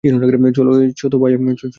চলছে তো ভালোই, ভাইয়া।